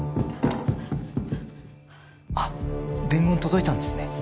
あっ伝言届いたんですね。